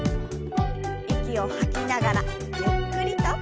息を吐きながらゆっくりと。